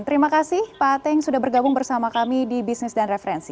terima kasih pak teng sudah bergabung bersama kami di bisnis dan referensi